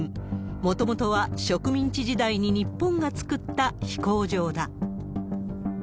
もともとは植民地時代に日本が作った飛行場だ。